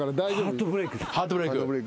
ハートブレーク。